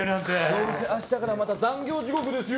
どうせ明日からまた残業地獄ですよ。